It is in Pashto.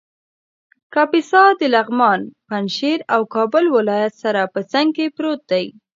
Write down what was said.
کاپیسا د لغمان ، پنجشېر او کابل ولایت سره په څنګ کې پروت دی